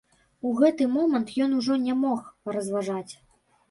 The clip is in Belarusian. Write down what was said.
У гэты момант ён ужо не мог разважаць.